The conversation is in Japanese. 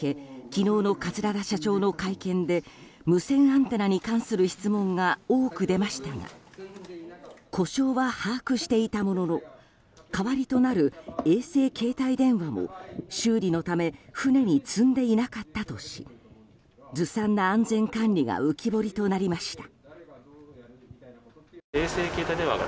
昨日の桂田社長の会見で無線アンテナに関する質問が多く出ましたが故障は把握していたものの代わりとなる衛星携帯電話も修理のため船に積んでいなかったとしずさんな安全管理が浮き彫りとなりました。